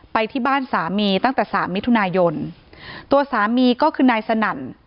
ไปที่บ้านสามีตั้งแต่สามมิถุนายนตัวสามีก็คือนายสนั่น